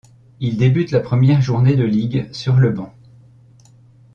Il débute la première journée de ligue sur le banc.